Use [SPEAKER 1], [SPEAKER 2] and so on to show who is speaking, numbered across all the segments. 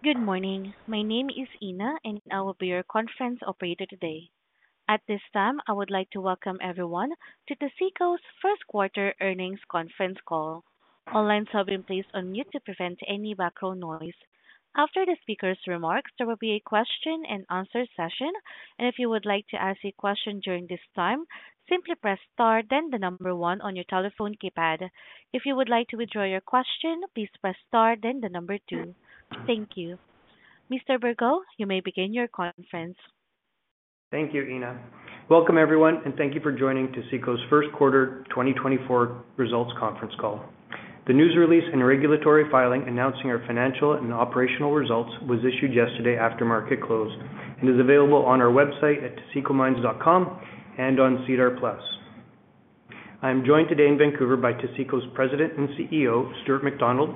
[SPEAKER 1] Good morning. My name is Ina, and I will be your conference operator today. At this time, I would like to welcome everyone to Taseko's first quarter earnings conference call. All lines have been placed on mute to prevent any background noise. After the speaker's remarks, there will be a question and answer session, and if you would like to ask a question during this time, simply press star, then the number one on your telephone keypad. If you would like to withdraw your question, please press star, then the number two. Thank you. Mr. Bergot, you may begin your conference.
[SPEAKER 2] Thank you, Ina. Welcome, everyone, and thank you for joining Taseko's first quarter 2024 results conference call. The news release and regulatory filing announcing our financial and operational results was issued yesterday after market close and is available on our website at tasekomines.com and on SEDAR+. I'm joined today in Vancouver by Taseko's President and CEO, Stuart McDonald,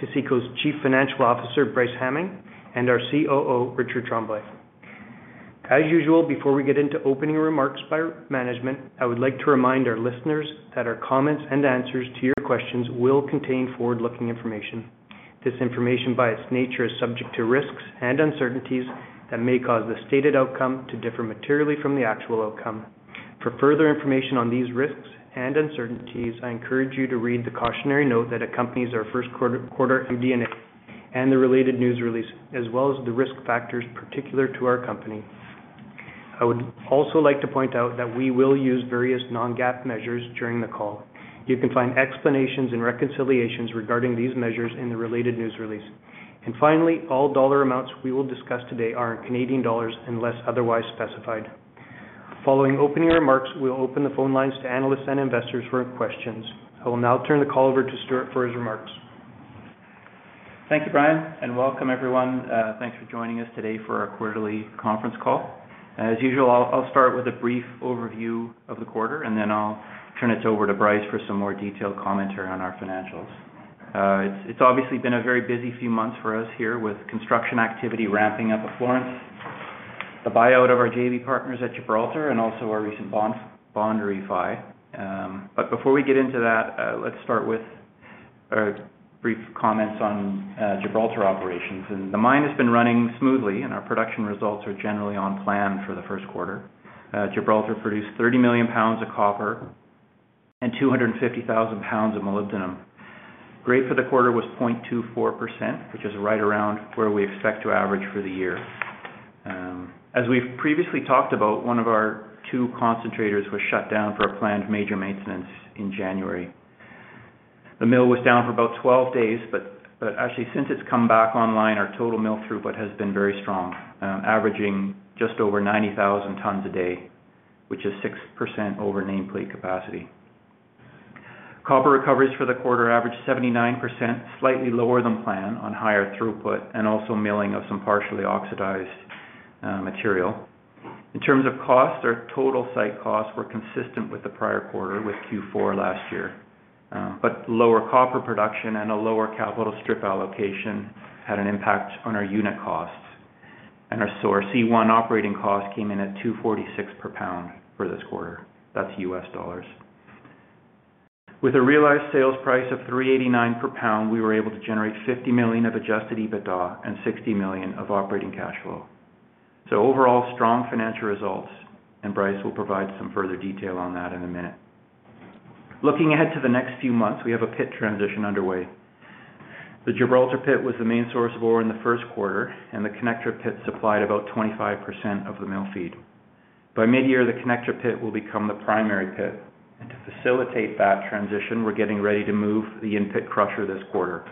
[SPEAKER 2] Taseko's Chief Financial Officer, Bryce Hamming, and our COO, Richard Tremblay. As usual, before we get into opening remarks by management, I would like to remind our listeners that our comments and answers to your questions will contain forward-looking information. This information, by its nature, is subject to risks and uncertainties that may cause the stated outcome to differ materially from the actual outcome. For further information on these risks and uncertainties, I encourage you to read the cautionary note that accompanies our first quarter MD&A and the related news release, as well as the risk factors particular to our company. I would also like to point out that we will use various Non-GAAP measures during the call. You can find explanations and reconciliations regarding these measures in the related news release. And finally, all dollar amounts we will discuss today are in Canadian dollars, unless otherwise specified. Following opening remarks, we'll open the phone lines to analysts and investors for questions. I will now turn the call over to Stuart for his remarks.
[SPEAKER 3] Thank you, Brian, and welcome everyone. Thanks for joining us today for our quarterly conference call. As usual, I'll start with a brief overview of the quarter, and then I'll turn it over to Bryce for some more detailed commentary on our financials. It's obviously been a very busy few months for us here, with construction activity ramping up at Florence, the buyout of our JV partners at Gibraltar, and also our recent bond refi. But before we get into that, let's start with a brief comments on Gibraltar operations. The mine has been running smoothly, and our production results are generally on plan for the first quarter. Gibraltar produced 30 million pounds of copper and 250,000 pounds of molybdenum. Grade for the quarter was 0.24%, which is right around where we expect to average for the year. As we've previously talked about, one of our two concentrators was shut down for a planned major maintenance in January. The mill was down for about 12 days, but actually, since it's come back online, our total mill throughput has been very strong, averaging just over 90,000 tons a day, which is 6% over nameplate capacity. Copper recoveries for the quarter averaged 79%, slightly lower than planned on higher throughput, and also milling of some partially oxidized material. In terms of cost, our total site costs were consistent with the prior quarter, with Q4 last year. But lower copper production and a lower capital strip allocation had an impact on our unit costs. Our C1 operating costs came in at $2.46 per pound for this quarter. That's U.S. dollars. With a realized sales price of $3.89 per pound, we were able to generate 50 million of adjusted EBITDA and 60 million of operating cash flow. So overall, strong financial results, and Bryce will provide some further detail on that in a minute. Looking ahead to the next few months, we have a pit transition underway. The Gibraltar pit was the main source of ore in the first quarter, and the Connector pit supplied about 25% of the mill feed. By mid-year, the Connector pit will become the primary pit, and to facilitate that transition, we're getting ready to move the in-pit crusher this quarter.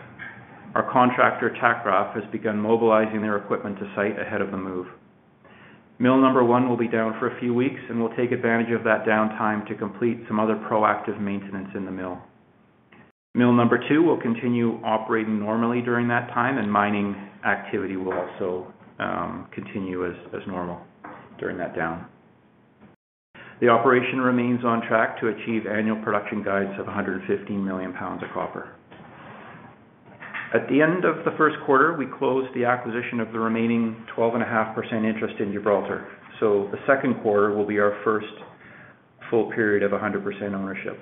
[SPEAKER 3] Our contractor, TAKRAF, has begun mobilizing their equipment to site ahead of the move. Mill number one will be down for a few weeks, and we'll take advantage of that downtime to complete some other proactive maintenance in the mill. Mill number two will continue operating normally during that time, and mining activity will also continue as normal during that down. The operation remains on track to achieve annual production guides of 150 million pounds of copper. At the end of the first quarter, we closed the acquisition of the remaining 12.5% interest in Gibraltar, so the second quarter will be our first full period of 100% ownership.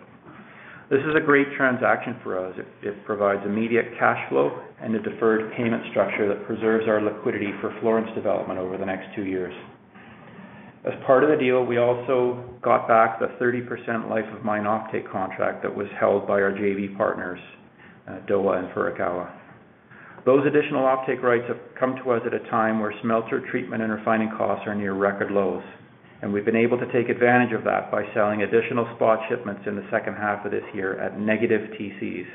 [SPEAKER 3] This is a great transaction for us. It provides immediate cash flow and a deferred payment structure that preserves our liquidity for Florence development over the next two years. As part of the deal, we also got back the 30% life of mine offtake contract that was held by our JV partners, Dowa and Furukawa. Those additional offtake rights have come to us at a time where smelter treatment and refining costs are near record lows, and we've been able to take advantage of that by selling additional spot shipments in the second half of this year at negative TCs.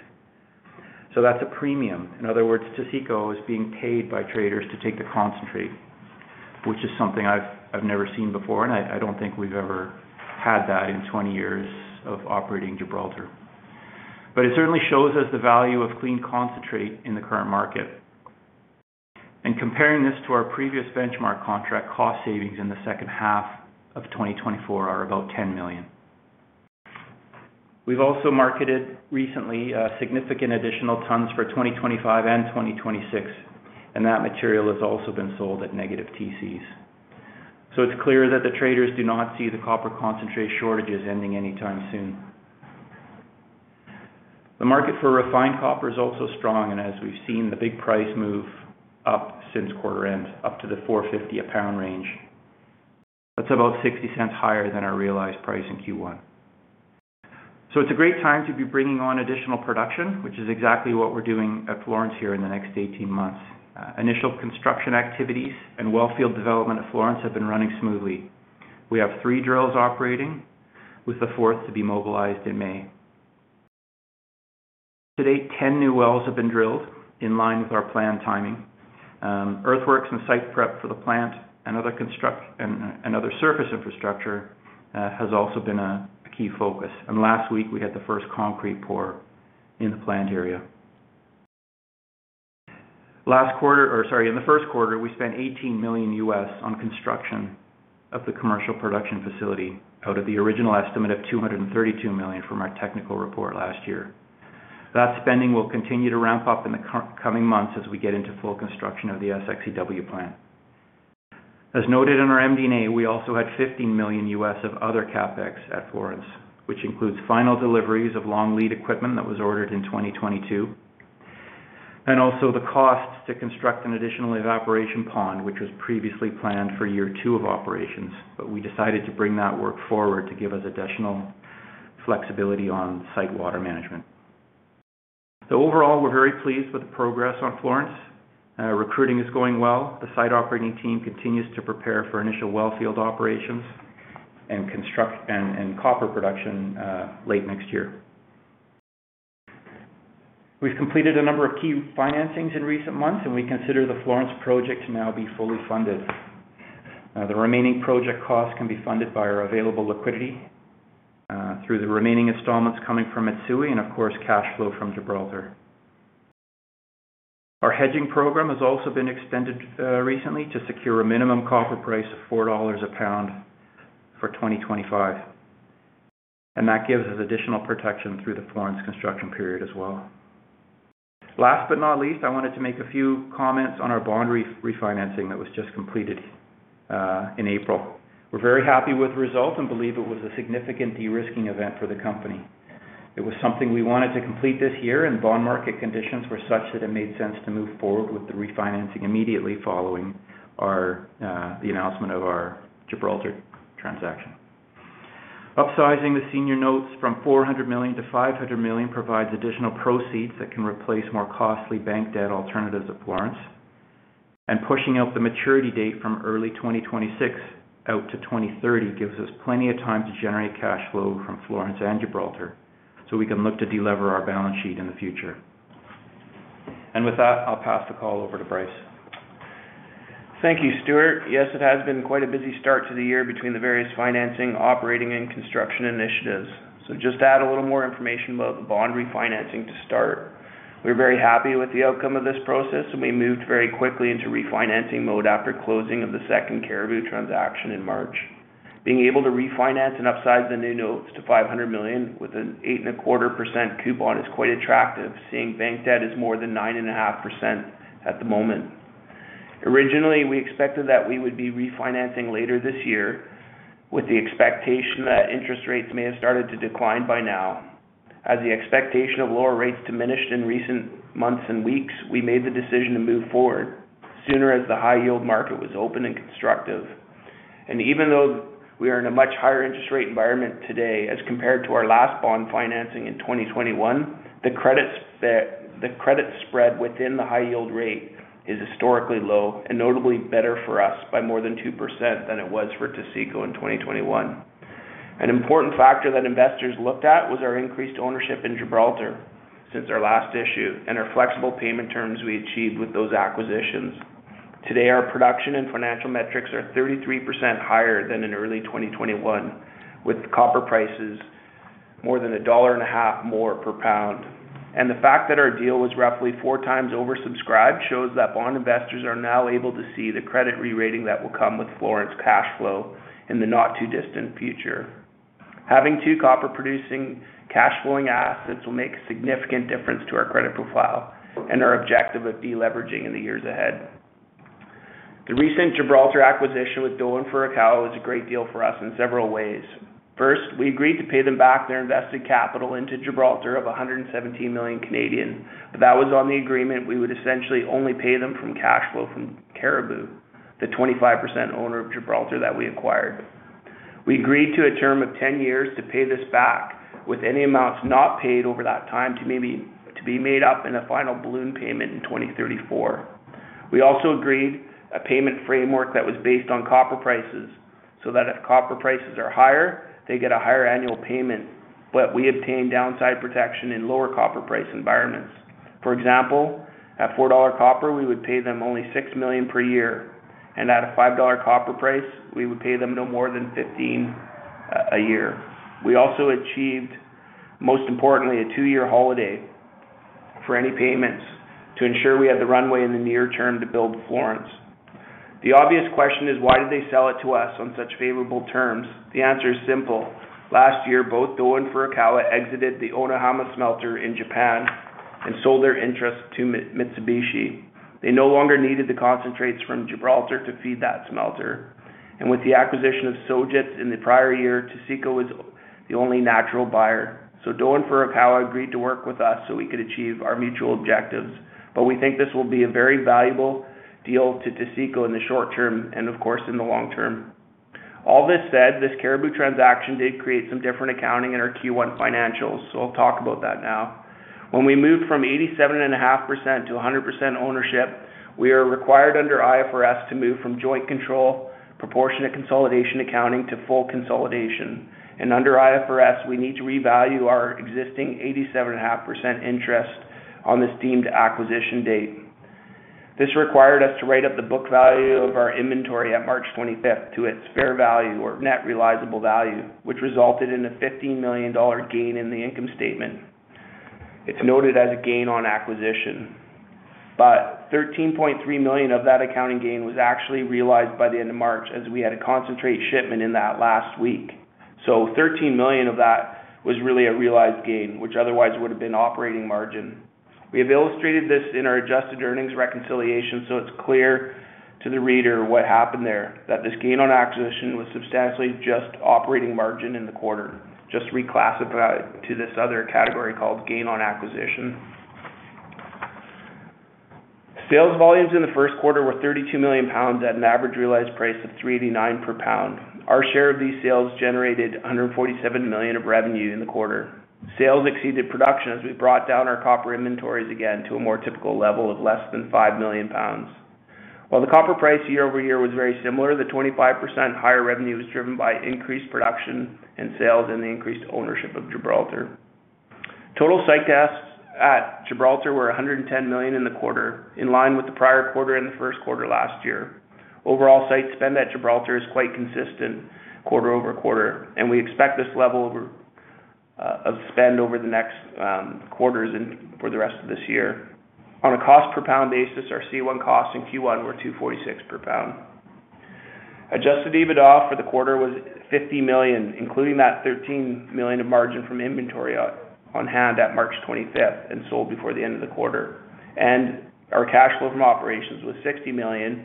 [SPEAKER 3] So that's a premium. In other words, Taseko is being paid by traders to take the concentrate, which is something I've never seen before, and I don't think we've ever had that in 20 years of operating Gibraltar. But it certainly shows us the value of clean concentrate in the current market. Comparing this to our previous benchmark contract, cost savings in the second half of 2024 are about 10 million. We've also marketed recently significant additional tons for 2025 and 2026, and that material has also been sold at negative TCs. So it's clear that the traders do not see the copper concentrate shortages ending anytime soon. The market for refined copper is also strong, and as we've seen, the big price move up since quarter end, up to the $4.50 a pound range. That's about $0.60 higher than our realized price in Q1. So it's a great time to be bringing on additional production, which is exactly what we're doing at Florence here in the next 18 months. Initial construction activities and wellfield development at Florence have been running smoothly. We have three drills operating, with the fourth to be mobilized in May. To date, 10 new wells have been drilled in line with our planned timing. Earthworks and site prep for the plant and other construction and other surface infrastructure has also been a key focus. Last week, we had the first concrete pour in the plant area. Last quarter, or sorry, in the first quarter, we spent $18 million on construction of the commercial production facility out of the original estimate of $232 million from our technical report last year. That spending will continue to ramp up in the coming months as we get into full construction of the SX/EW plant. As noted in our MD&A, we also had $15 million of other CapEx at Florence, which includes final deliveries of long lead equipment that was ordered in 2022, and also the costs to construct an additional evaporation pond, which was previously planned for year two of operations, but we decided to bring that work forward to give us additional flexibility on site water management. So overall, we're very pleased with the progress on Florence. Recruiting is going well. The site operating team continues to prepare for initial wellfield operations and construction and copper production late next year. We've completed a number of key financings in recent months, and we consider the Florence project to now be fully funded. The remaining project costs can be funded by our available liquidity, through the remaining installments coming from Mitsui, and of course, cash flow from Gibraltar. Our hedging program has also been extended, recently to secure a minimum copper price of $4 a pound for 2025, and that gives us additional protection through the Florence construction period as well. Last but not least, I wanted to make a few comments on our bond refinancing that was just completed, in April. We're very happy with the result and believe it was a significant de-risking event for the company. It was something we wanted to complete this year, and bond market conditions were such that it made sense to move forward with the refinancing immediately following the announcement of our Gibraltar transaction. Upsizing the senior notes from $400 million-$500 million provides additional proceeds that can replace more costly bank debt alternatives at Florence. Pushing out the maturity date from early 2026 out to 2030 gives us plenty of time to generate cash flow from Florence and Gibraltar, so we can look to deliver our balance sheet in the future. With that, I'll pass the call over to Bryce.
[SPEAKER 4] Thank you, Stuart. Yes, it has been quite a busy start to the year between the various financing, operating, and construction initiatives. Just to add a little more information about the bond refinancing to start. We're very happy with the outcome of this process, and we moved very quickly into refinancing mode after closing of the second Cariboo transaction in March. Being able to refinance and upsize the new notes to $500 million with an 8.25% coupon is quite attractive, seeing bank debt is more than 9.5% at the moment. Originally, we expected that we would be refinancing later this year with the expectation that interest rates may have started to decline by now. As the expectation of lower rates diminished in recent months and weeks, we made the decision to move forward sooner as the high yield market was open and constructive. And even though we are in a much higher interest rate environment today as compared to our last bond financing in 2021, the credit spread within the high yield rate is historically low and notably better for us by more than 2% than it was for Taseko in 2021. An important factor that investors looked at was our increased ownership in Gibraltar since our last issue and our flexible payment terms we achieved with those acquisitions. Today, our production and financial metrics are 33% higher than in early 2021, with copper prices more than $1.50 more per pound. The fact that our deal was roughly four times oversubscribed shows that bond investors are now able to see the credit re-rating that will come with Florence cash flow in the not-too-distant future. Having two copper-producing, cash-flowing assets will make a significant difference to our credit profile and our objective of de-leveraging in the years ahead. The recent Gibraltar acquisition with Dowa and Furukawa was a great deal for us in several ways. First, we agreed to pay them back their invested capital into Gibraltar of 117 million. That was on the agreement, we would essentially only pay them from cash flow from Cariboo, the 25% owner of Gibraltar that we acquired. We agreed to a term of 10 years to pay this back, with any amounts not paid over that time to be made up in a final balloon payment in 2034. We also agreed a payment framework that was based on copper prices, so that if copper prices are higher, they get a higher annual payment, but we obtain downside protection in lower copper price environments. For example, at $4 copper, we would pay them only $6 million per year, and at a $5 copper price, we would pay them no more than $15 million a year. We also achieved, most importantly, a two-year holiday for any payments to ensure we had the runway in the near term to build Florence. The obvious question is, why did they sell it to us on such favorable terms? The answer is simple. Last year, both Dowa and Furukawa exited the Onahama smelter in Japan and sold their interest to Mitsubishi. They no longer needed the concentrates from Gibraltar to feed that smelter. With the acquisition of Sojitz in the prior year, Taseko was the only natural buyer. Dowa and Furukawa agreed to work with us so we could achieve our mutual objectives. We think this will be a very valuable deal to Taseko in the short term and, of course, in the long term. All this said, this Cariboo transaction did create some different accounting in our Q1 financials, so I'll talk about that now. When we moved from 87.5%-100% ownership, we are required under IFRS to move from joint control, proportionate consolidation accounting, to full consolidation. Under IFRS, we need to revalue our existing 87.5% interest on this deemed acquisition date. This required us to write up the book value of our inventory at March twenty-fifth to its fair value or net realizable value, which resulted in a $15 million gain in the income statement. It's noted as a gain on acquisition, but $13.3 million of that accounting gain was actually realized by the end of March, as we had a concentrate shipment in that last week. Thirteen million of that was really a realized gain, which otherwise would have been operating margin. We have illustrated this in our adjusted earnings reconciliation, so it's clear to the reader what happened there, that this gain on acquisition was substantially just operating margin in the quarter. Just reclassify it to this other category called Gain on Acquisition. Sales volumes in the first quarter were 32 million pounds, at an average realized price of $3.89 per pound. Our share of these sales generated under 47 million of revenue in the quarter. Sales exceeded production as we brought down our copper inventories again to a more typical level of less than five million pounds. While the copper price year-over-year was very similar, the 25% higher revenue was driven by increased production and sales, and the increased ownership of Gibraltar. Total site costs at Gibraltar were 110 million in the quarter, in line with the prior quarter and the first quarter last year. Overall, site spend at Gibraltar is quite consistent quarter-over-quarter, and we expect this level of spend over the next quarters and for the rest of this year. On a cost per pound basis, our C1 costs in Q1 were $2.46 per pound. Adjusted EBITDA for the quarter was 50 million, including that 13 million of margin from inventory on hand at March 25th, and sold before the end of the quarter. Our cash flow from operations was 60 million,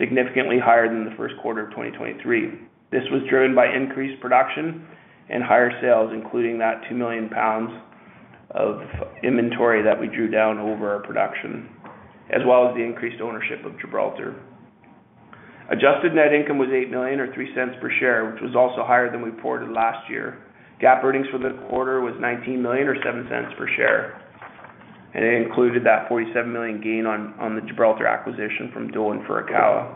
[SPEAKER 4] significantly higher than the first quarter of 2023. This was driven by increased production and higher sales, including that two million pounds of inventory that we drew down over our production, as well as the increased ownership of Gibraltar. Adjusted net income was 8 million or 0.03 per share, which was also higher than we reported last year. GAAP earnings for the quarter was 19 million or 0.07 per share, and it included that 47 million gain on the Gibraltar acquisition from Dowa and Furukawa.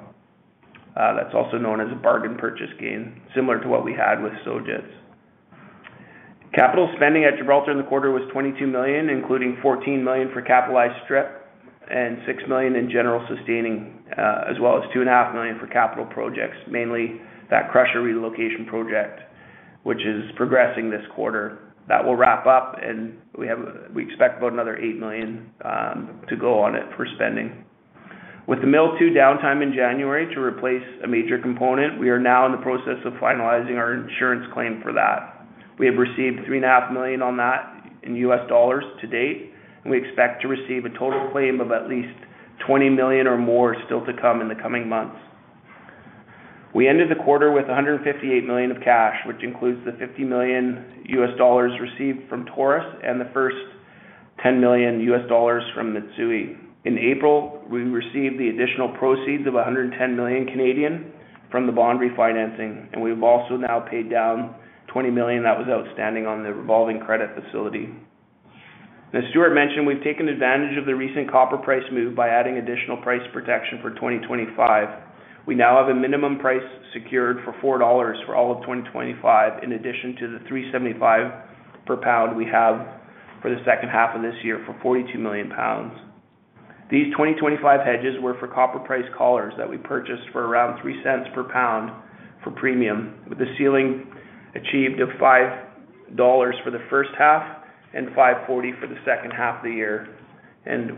[SPEAKER 4] That's also known as a bargain purchase gain, similar to what we had with Sojitz. Capital spending at Gibraltar in the quarter was 22 million, including 14 million for capitalized strip and 6 million in general sustaining, as well as 2.5 million for capital projects, mainly that crusher relocation project, which is progressing this quarter. That will wrap up, and we expect about another 8 million to go on it for spending. With the Mill Two downtime in January to replace a major component, we are now in the process of finalizing our insurance claim for that. We have received $3.5 million on that in US dollars to date, and we expect to receive a total claim of at least $20 million or more still to come in the coming months. We ended the quarter with $158 million of cash, which includes the $50 million received from Taurus and the first $10 million from Mitsui. In April, we received the additional proceeds of 110 million from the bond refinancing, and we've also now paid down 20 million that was outstanding on the revolving credit facility. As Stuart mentioned, we've taken advantage of the recent copper price move by adding additional price protection for 2025. We now have a minimum price secured for $4 for all of 2025, in addition to the $3.75 per pound we have for the second half of this year for 42 million pounds. These 2025 hedges were for copper price collars that we purchased for around $0.03 per pound for premium, with the ceiling achieved of $5 for the first half and $5.40 for the second half of the year.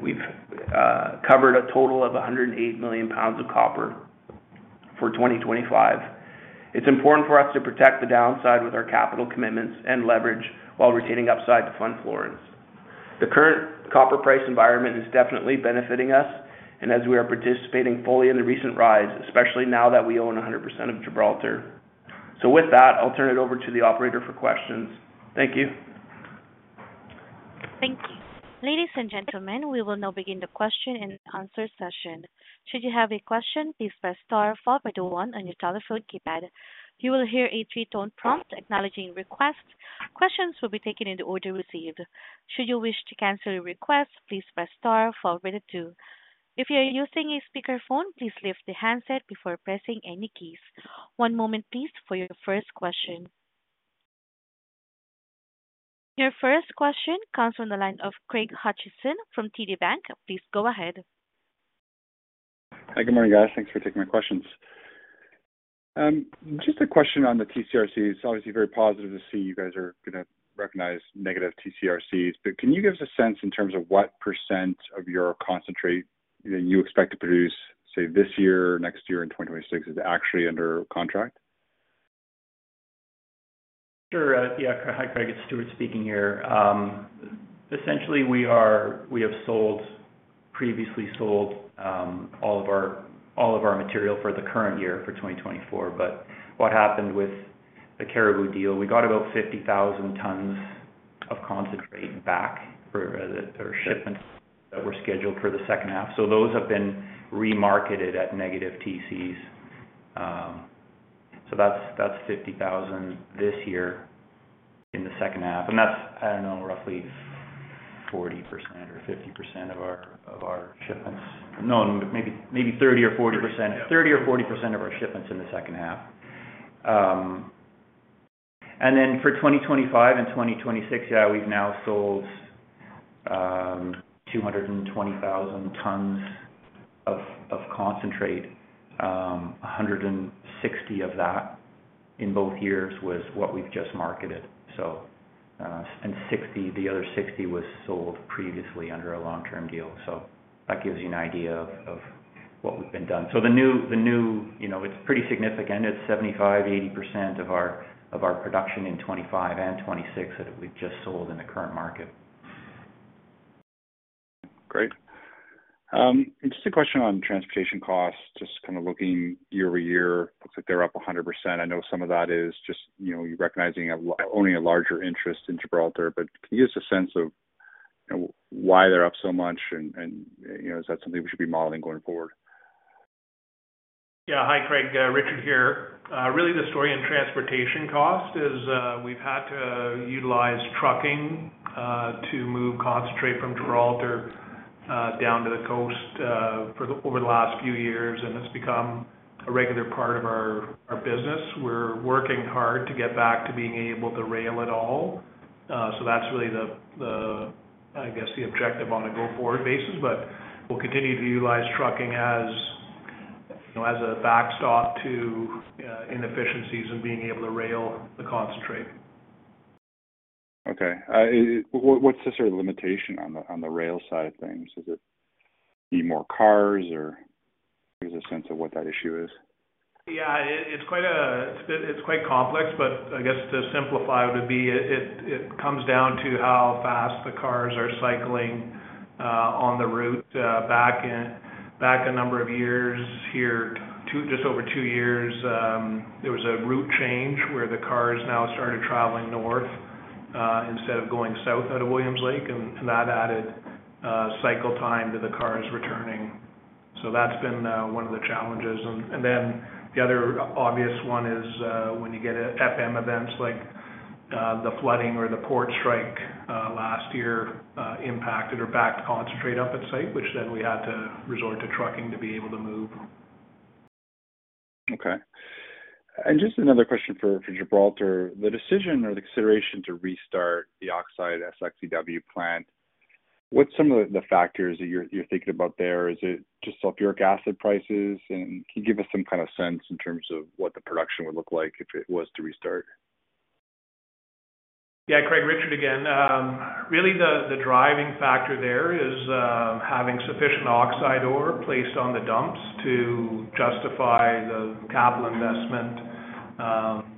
[SPEAKER 4] We've covered a total of 108 million pounds of copper for 2025. It's important for us to protect the downside with our capital commitments and leverage while retaining upside to fund Florence. The current copper price environment is definitely benefiting us, and as we are participating fully in the recent rise, especially now that we own 100% of Gibraltar. So with that, I'll turn it over to the operator for questions. Thank you.
[SPEAKER 1] Thank you. Ladies and gentlemen, we will now begin the question and answer session. Should you have a question, please press star followed by the one on your telephone keypad. You will hear a three-tone prompt acknowledging requests. Questions will be taken in the order received. Should you wish to cancel your request, please press star followed by the two. If you are using a speakerphone, please lift the handset before pressing any keys. One moment, please, for your first question. Your first question comes from the line of Craig Hutchison from TD Bank. Please go ahead.
[SPEAKER 5] Hi, good morning, guys. Thanks for taking my questions. Just a question on the TC/RC. It's obviously very positive to see you guys are gonna recognize negative TC/RCs, but can you give us a sense in terms of what % of your concentrate that you expect to produce, say, this year, next year and 2026 is actually under contract?...
[SPEAKER 3] Sure, yeah. Hi, Craig, it's Stuart speaking here. Essentially, we are-- we have sold, previously sold, all of our, all of our material for the current year, for 2024. But what happened with the Cariboo deal, we got about 50,000 tons of concentrate back for the, their shipments that were scheduled for the second half. So those have been remarketed at negative TC's. So that's, that's 50,000 this year in the second half, and that's, I don't know, roughly 40% or 50% of our, of our shipments. No, maybe, maybe 30% or 40%. 30% or 40% of our shipments in the second half. And then for 2025 and 2026, yeah, we've now sold, two hundred and twenty thousand tons of, of concentrate. 160 of that in both years was what we've just marketed. So, and 60, the other 60 was sold previously under a long-term deal. So that gives you an idea of what we've done. So the new, you know, it's pretty significant. It's 75%-80% of our production in 2025 and 2026 that we've just sold in the current market.
[SPEAKER 5] Great. Just a question on transportation costs. Just kind of looking year-over-year, looks like they're up 100%. I know some of that is just, you know, you recognizing, owning a larger interest in Gibraltar. But can you give us a sense of, you know, why they're up so much? And, you know, is that something we should be modeling going forward?
[SPEAKER 6] Yeah. Hi, Craig, Richard here. Really, the story in transportation cost is, we've had to utilize trucking to move concentrate from Gibraltar down to the coast over the last few years, and it's become a regular part of our business. We're working hard to get back to being able to rail it all. So that's really the, I guess, the objective on a go-forward basis. But we'll continue to utilize trucking as, you know, as a backstop to inefficiencies in being able to rail the concentrate.
[SPEAKER 5] Okay. What, what's the sort of limitation on the, on the rail side of things? Does it need more cars, or give us a sense of what that issue is?
[SPEAKER 6] Yeah, it, it's quite, it's quite complex, but I guess to simplify it would be, it comes down to how fast the cars are cycling on the route. Back a number of years here, just over two years, there was a route change where the cars now started traveling north instead of going south out of Williams Lake, and that added cycle time to the cars returning. So that's been one of the challenges. And then the other obvious one is when you get FM events like the flooding or the port strike last year, which impacted or backed concentrate up at site, which then we had to resort to trucking to be able to move.
[SPEAKER 5] Okay. And just another question for Gibraltar. The decision or the consideration to restart the oxide SX/EW plant, what's some of the factors that you're thinking about there? Is it just sulfuric acid prices? And can you give us some kind of sense in terms of what the production would look like if it was to restart?
[SPEAKER 6] Yeah, Craig, Richard again. Really the driving factor there is having sufficient oxide ore placed on the dumps to justify the capital investment,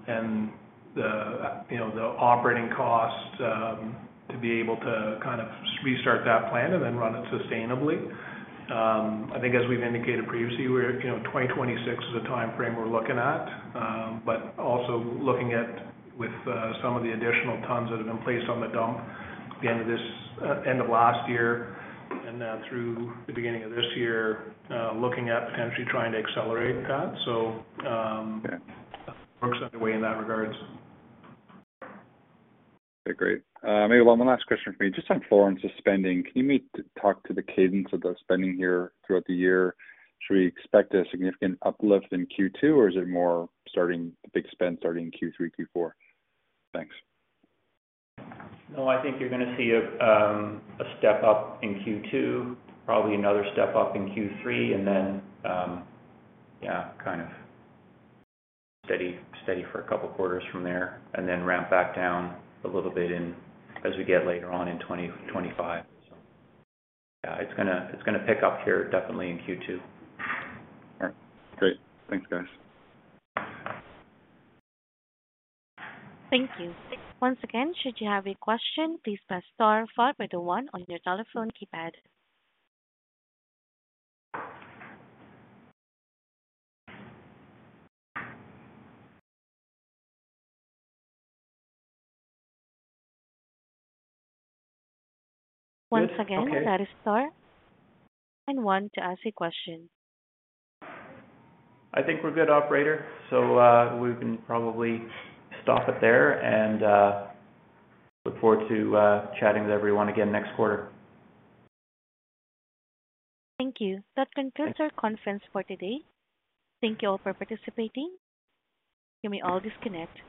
[SPEAKER 6] and the, you know, the operating costs, to be able to kind of restart that plant and then run it sustainably. I think as we've indicated previously, we're, you know, 2026 is the timeframe we're looking at. But also looking at with some of the additional tons that have been placed on the dump at the end of last year and through the beginning of this year, looking at potentially trying to accelerate that. So,
[SPEAKER 5] Okay.
[SPEAKER 6] Works underway in that regard.
[SPEAKER 5] Okay, great. Maybe one last question for me. Just on Florence's spending, can you maybe talk to the cadence of the spending here throughout the year? Should we expect a significant uplift in Q2, or is it more starting, the big spend starting Q3, Q4? Thanks.
[SPEAKER 3] No, I think you're gonna see a step-up in Q2, probably another step-up in Q3, and then, yeah, kind of steady, steady for a couple quarters from there. And then ramp back down a little bit in, as we get later on in 2025. So yeah, it's gonna, it's gonna pick up here definitely in Q2.
[SPEAKER 5] All right. Great. Thanks, guys.
[SPEAKER 1] Thank you. Once again, should you have a question, please press star five followed by the one on your telephone keypad. Once again, that is star and one to ask a question.
[SPEAKER 3] I think we're good, operator. So, we can probably stop it there, and look forward to chatting with everyone again next quarter.
[SPEAKER 1] Thank you. That concludes our conference for today. Thank you all for participating. You may all disconnect.